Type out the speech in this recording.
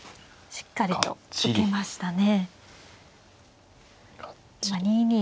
しっかりと受けましたね。